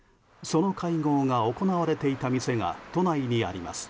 その会合が行われていた店が都内にあります。